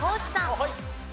はい。